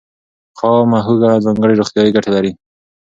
خامه هوږه ځانګړې روغتیایي ګټې لري.